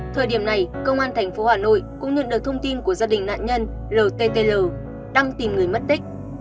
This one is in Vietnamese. thời điểm này công an tp hà nội cũng nhận được thông tin của gia đình nạn nhân lttl đang tìm người mất tích